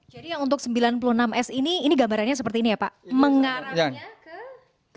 jadi yang untuk sembilan puluh enam s ini ini gambarannya seperti ini ya pak mengarahnya ke